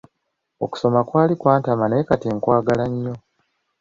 Okusoma kwali kwantama naye kati nkwagala nnyo.